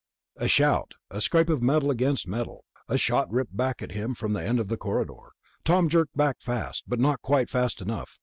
A shout, a scrape of metal against metal, and a shot ripped back at him from the end of the corridor. Tom jerked back fast, but not quite fast enough.